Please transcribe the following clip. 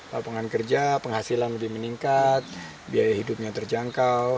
lapangan kerja penghasilan lebih meningkat biaya hidupnya terjangkau